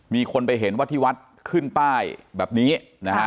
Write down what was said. มีคนไปเห็นว่าที่วัดขึ้นป้ายแบบนี้นะฮะ